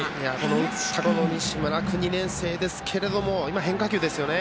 打った西村君２年生ですけれども変化球ですよね